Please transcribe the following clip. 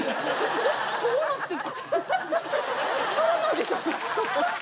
私こうなってこう。